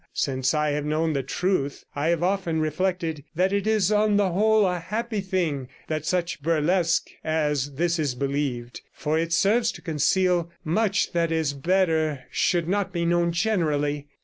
Since I have known the truth I have often reflected that it is on the whole a happy thing that such burlesque as this is believed, for it serves to conceal much that it is better should not be known generally.